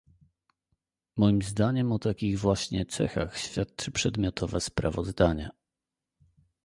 Moim zdaniem o takich właśnie cechach świadczy przedmiotowe sprawozdanie